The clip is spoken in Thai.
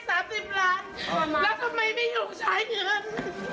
ทำไมอ่ะไม่เอาอยากได้อะไรเมียจัดให้หมดเลยเมียทำให้หมดทุกอย่าง